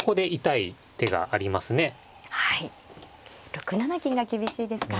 ６七金が厳しいですか。